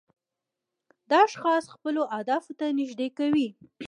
دا اشخاص خپلو اهدافو ته نږدې کوي.